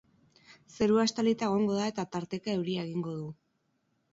Zerua estalita egongo da eta tarteka euria egingo.